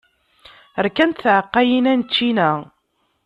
Rkant tεeqqayin-a n ččina.